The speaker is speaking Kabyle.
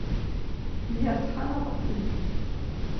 Lliɣ ttxalaḍeɣ-ten.